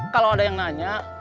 kalau ada yang nanya